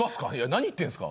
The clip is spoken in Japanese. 何言ってんすか？